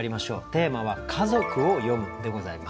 テーマは「家族を詠む」でございます。